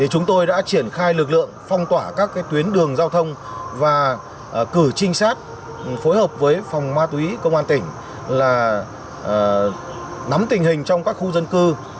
chúng tôi đã triển khai lực lượng phong tỏa các tuyến đường giao thông và cử trinh sát phối hợp với phòng ma túy công an tỉnh nắm tình hình trong các khu dân cư